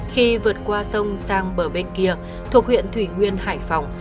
khi vượt qua sông sang bờ bên kia thuộc huyện thủy nguyên hải phòng